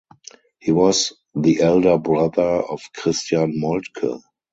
He was the elder brother of Christian Moltke.